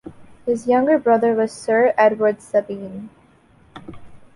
His younger brother was Sir Edward Sabine.